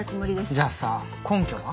じゃあさ根拠は？